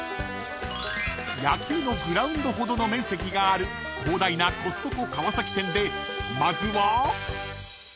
［野球のグラウンドほどの面積がある広大なコストコ川崎店でまずは］